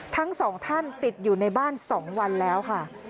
ทั้งสองท่านติดอยู่ในบ้าน๒วันแล้วค่ะ